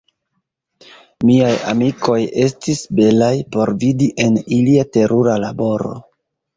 Miaj amikoj estis belaj por vidi, en ilia terura laboro.